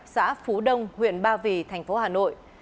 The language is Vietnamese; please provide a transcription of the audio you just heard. xã phú đông huyện ba vì thành phố hà nội